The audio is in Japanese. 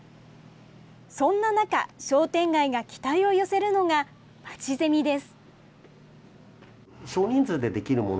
そんな中、商店街が期待を寄せるのが、まちゼミです。